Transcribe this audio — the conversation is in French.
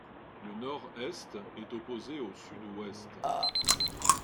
Le nord-est est opposé au sud-ouest.